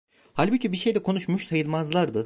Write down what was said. Halbuki bir şey de konuşmuş sayılmazlardı.